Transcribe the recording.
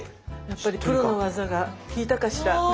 やっぱりプロの技がきいたかしら。